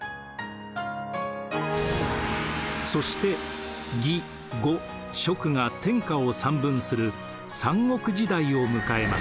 そして魏呉蜀が天下を三分する三国時代を迎えます。